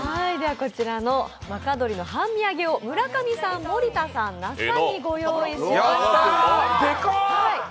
こちらの若鶏半身揚げを村上さん、森田さん、那須さんにご用意しました。